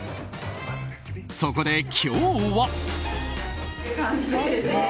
そこで今日は。